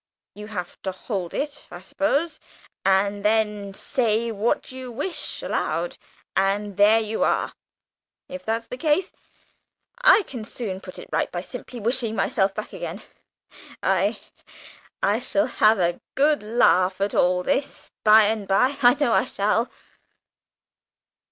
You have to hold it, I suppose, and then say what you wish aloud, and there you are. If that's the case, I can soon put it all right by simply wishing myself back again. I I shall have a good laugh at all this by and by I know I shall!"